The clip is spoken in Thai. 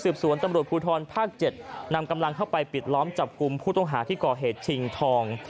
สวนตำรวจภูทรภาค๗นำกำลังเข้าไปปิดล้อมจับกลุ่มผู้ต้องหาที่ก่อเหตุชิงทอง